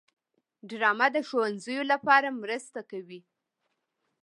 ډرامه د ښوونځیو لپاره مرسته کوي